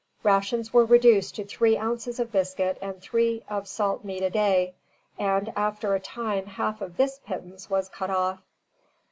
Rations were reduced to three ounces of biscuit and three of salt meat a day; and after a time half of this pittance was cut off.